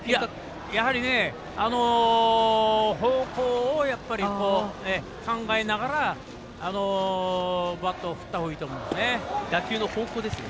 やはり、方向を考えながらバットを振った方がいいと思いますね。